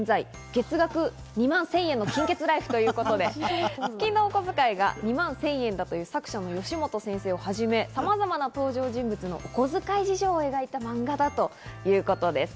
月額２万千円の金欠ライフ』ということで月のお小遣いが２万千円だという作者の吉本先生をはじめ、さまざまな登場人物たちのお小遣い事情を描いたマンガだということだそうです。